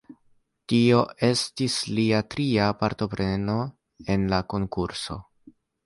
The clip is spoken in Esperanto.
Tio estis lia tria partopreno en la konkurso.